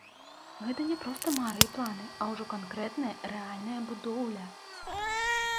Гэта не проста мары і планы, а ўжо канкрэтная, рэальная будоўля.